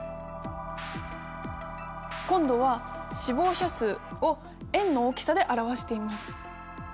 今度は死亡者数を円の大きさで表しています。